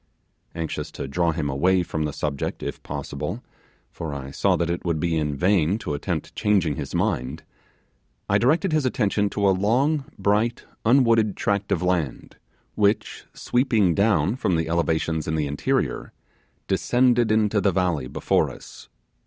Anxious to draw him away from the subject, if possible for I saw that it would be in vain to attempt changing his mind I directed his attention to a long bright unwooded tract of land which, sweeping down from the elevations in the interior, descended into the valley before us.